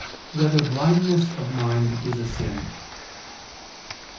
1] Whether Blindness of Mind Is a Sin?